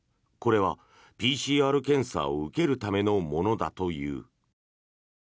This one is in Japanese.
これはＰＣＲ検査を受けるためのものだという。